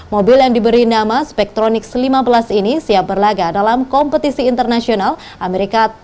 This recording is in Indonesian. mobil yang diberi nama spektronics lima belas ini siap berlaga dalam kompetisi internasional amerika